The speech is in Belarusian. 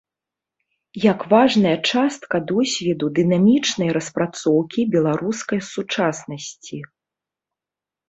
Як важная частка досведу дынамічнай распрацоўкі беларускай сучаснасці.